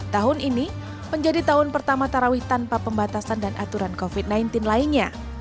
tahun ini menjadi tahun pertama tarawih tanpa pembatasan dan aturan covid sembilan belas lainnya